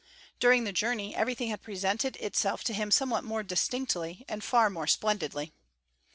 During the journey everything had presented itself to him somewhat more distinctly and far more splendidly.